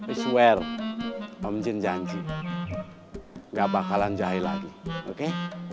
i swear om jin janji gak bakalan jahe lagi oke